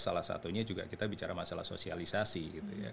salah satunya juga kita bicara masalah sosialisasi gitu ya